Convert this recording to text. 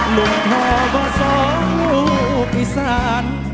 ลุงเทอร์ว่าสองลูกพิสาร